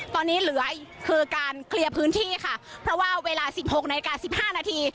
ตอนนี้เหลือคือการเคลียร์พื้นที่ค่ะเพราะว่าเวลาสิบหกนาฬิกาสิบห้านาที